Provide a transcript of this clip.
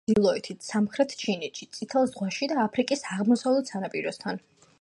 ბინადრობს ინდოეთის წყლებში, ავსტრალიის ჩრდილოეთით, სამხრეთ ჩინეთში, წითელ ზღვაში და აფრიკის აღმოსავლეთ სანაპიროსთან.